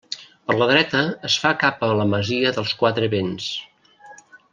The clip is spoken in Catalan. Per la dreta es fa cap a la masia dels Quatre Vents.